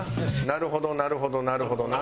なるほどなるほどなるほどなっ。